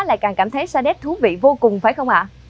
lại càng cảm thấy sa đét thú vị vô cùng phải không ạ